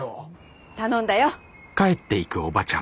頼んだよ。